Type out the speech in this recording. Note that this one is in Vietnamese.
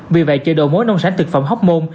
vì vậy chợ đầu mối nông sản thực phẩm hóc môn